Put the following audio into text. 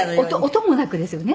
音もなくですよね。